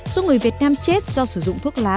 số người việt nam chết do sử dụng thuốc lá